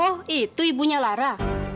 oh itu ibunya lara